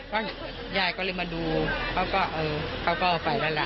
ยายก็เลยมาดูเขาก็เออเขาก็ไปแล้วล่ะ